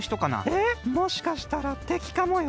えっもしかしたらてきかもよ？